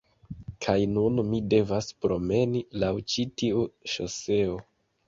kaj nun mi devas promeni laŭ ĉi tiu ŝoseo.